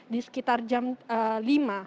di sekitar jambi